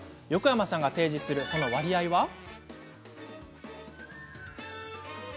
横山さんが提示するその割合は。